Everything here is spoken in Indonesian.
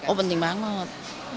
oh penting banget